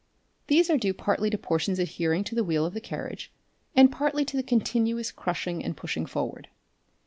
These are due partly to portions adhering to the wheel of the carriage and partly to the con tinuous crushing and pushing forward.